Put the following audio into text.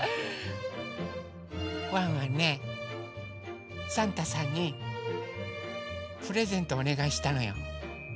ワンワンねサンタさんにプレゼントおねがいしたのよ。